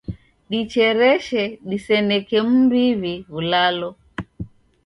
Dichereshe diseneke m'mbiw'i w'ulalo.